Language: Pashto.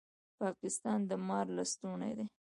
پاکستان د مار لستوڼی دی